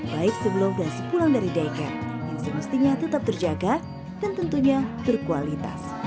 baik sebelum dan sepulang dari daiker yang semestinya tetap terjaga dan tentunya berkualitas